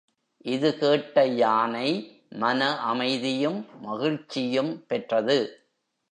இதுகேட்ட யானை மன அமைதியும் மகிழ்ச்சியும் பெற்றது.